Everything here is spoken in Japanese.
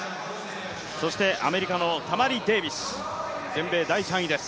そしてアメリカのタマリ・デービス、全米第３位です。